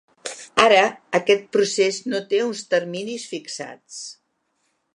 Ara, aquest procés no té uns terminis fixats.